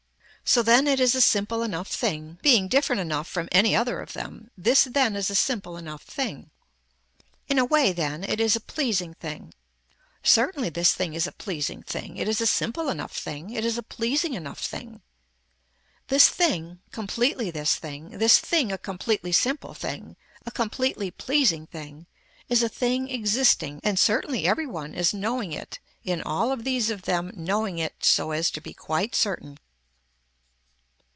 So then it is a simple enough thing, being different enough from any other of them, this then is a simple enough thing. In a way then it is a pleasing thing, certainly this thing is a pleasing thing, it is a simple enough thing, it is a pleasing enough thing. This thing, completely this thing, this thing a completely simple thing, a completely pleasing thing is a thing existing and certainly every one is knowing it in all of these of them knowing it so as to be quite certain.